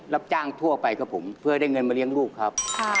รับจ้างทั่วไปครับผมเพื่อได้เงินมาเลี้ยงลูกครับ